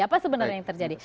apa sebenarnya yang terjadi